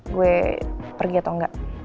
gue pergi atau enggak